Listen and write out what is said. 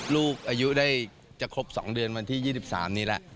ลูกอายุได้จะครบ๒เดือนวันที่๒๓นี้แล้ว